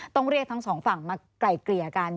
ต้องเรียกทั้งสองฝั่งมาไกล่เกลี่ยกัน